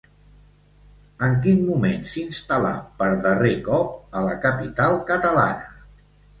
En quin moment s'instal·là per darrer cop a la capital catalana?